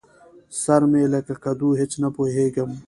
سر مې لکه کدو؛ هېڅ نه پوهېږم.